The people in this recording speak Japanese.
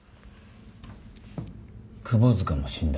窪塚も死んだ。